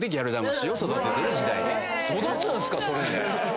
育つんすか⁉それで！